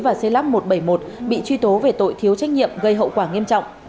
và clup một trăm bảy mươi một bị truy tố về tội thiếu trách nhiệm gây hậu quả nghiêm trọng